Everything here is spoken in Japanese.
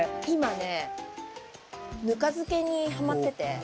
今ねぬか漬けにはまってて。